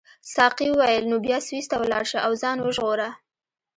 ساقي وویل نو بیا سویس ته ولاړ شه او ځان وژغوره.